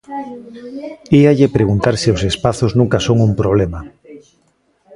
Íalle preguntar se os espazos nunca son un problema.